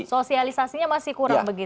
sosialisasinya masih kurang begitu